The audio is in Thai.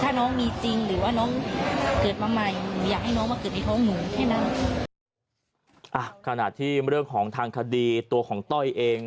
อะขณะที่เรื่องของทางคดีตัวของต้อยเอง